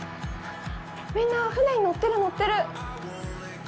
みんな船に乗ってる、乗ってる。